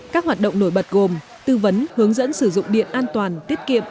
các hoạt động nổi bật gồm tư vấn hướng dẫn sử dụng điện an toàn tiết kiệm